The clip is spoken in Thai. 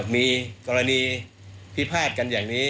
มีกรณีพิพาทกันอย่างนี้